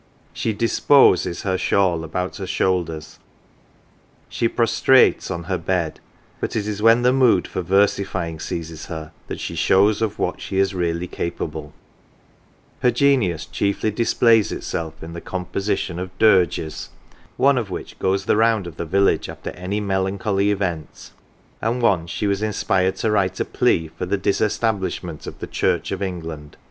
She "disposes" her shawl about her shoulders, she " prostrates " on her bed ; but it is when the mood for versifying seizes her that she shows of what she is really capable. 51 , CELEBRITIES Her genius chiefly displays itself in the composition of dirges, one of which goes the round of the village after any melancholy event ; and once she was inspired to write a plea for the Disestablishment of the Church of England.